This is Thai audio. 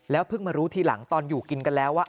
เพิ่งมารู้ทีหลังตอนอยู่กินกันแล้วว่า